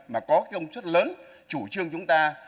mà có công chức lớn chủ trương chúng ta